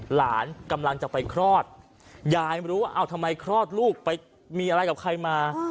หลานกำลังจะไปคลอดยายไม่รู้ว่าเอาทำไมคลอดลูกไปมีอะไรกับใครมา